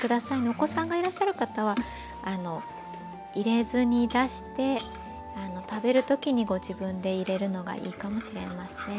お子さんがいらっしゃる方は入れずに出して食べる時にご自分で入れるのがいいかもしれません。